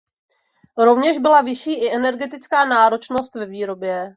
Rovněž byla vyšší i energetická náročnost ve výrobě.